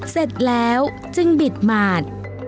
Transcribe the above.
เสร็จแล้วจึงบิดหมาด